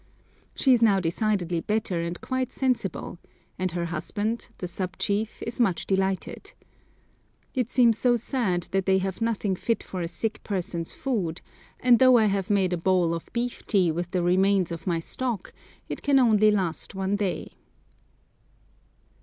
She is now decidedly better and quite sensible, and her husband, the sub chief, is much delighted. It seems so sad that they have nothing fit for a sick person's food; and though I have made a bowl of beef tea with the remains of my stock, it can only last one day.